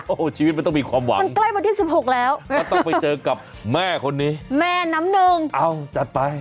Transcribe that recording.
โอ้โฮชีวิตมันต้องมีความหวังก็ต้องไปเจอกับแม่คนนี้แม่น้ำหนึ่งเอ้าจัดไป